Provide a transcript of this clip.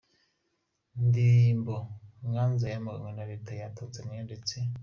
ndirimbo ‘Mwanza’ yamaganwe na Leta ya Tanzaniya ndetse